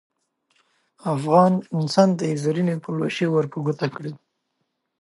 افغان انسان ته یې زرینې پلوشې ور په ګوته کړې.